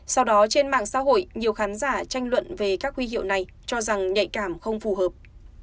sau đó trên mạng xã hội nhiều khán giả tranh luận về các huy hiệu này cho rằng nhạy cảm không phù hợp